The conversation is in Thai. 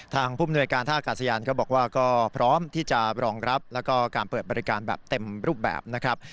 ภูมิหน่วยการท่ากาศยานก็บอกว่าก็พร้อมที่จะรองรับแล้วก็การเปิดบริการแบบเต็มรูปแบบนะครับ